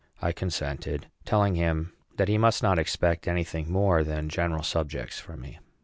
I consented, telling him that he must not expect any thing more than general subjects from me.